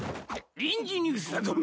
臨時ニュースだぞ！